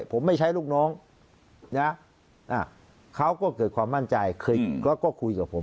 ผมไม่ใช้ลูกน้องนะเขาก็เกิดความมั่นใจเคยแล้วก็คุยกับผม